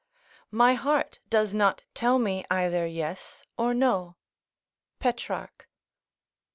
["My heart does not tell me either yes or no." Petrarch.